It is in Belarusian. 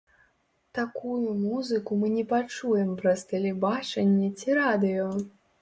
Такую музыку мы не пачуем праз тэлебачанне ці радыё.